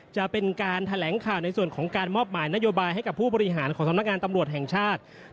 จะเป็นการแถลงข่าวในส่วนของการมอบหมายนโยบายให้กับผู้บริหารของสำนักงานตำรวจแห่งชาติ